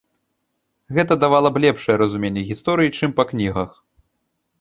Гэта давала б лепшае разуменне гісторыі, чым па кнігах.